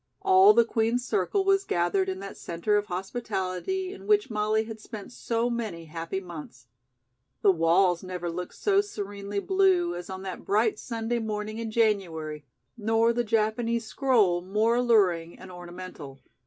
All the Queen's circle was gathered in that center of hospitality in which Molly had spent so many happy months. The walls never looked so serenely blue as on that bright Sunday morning in January, nor the Japanese scroll more alluring and ornamental.